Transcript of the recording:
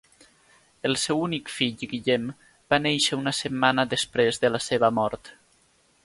El seu únic fill Guillem va néixer una setmana després de la seva mort.